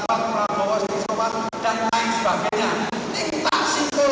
tangkap boyolali bermantap akan melakukan sesuatu